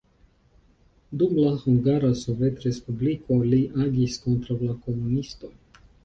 Dum la Hungara Sovetrespubliko li agis kontraŭ la komunistoj.